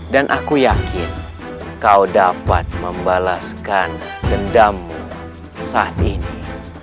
dan aku yakin kau dapat membalaskan dendammu saat ini